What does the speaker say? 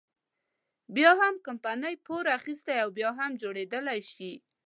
بيا هم کمپنۍ پور اخیستلی او بیا جوړېدلی شي.